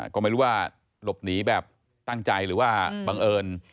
ก็ไม่รู้ว่าหลบหนีแบบตั้งใจหรือว่าบังเอิญ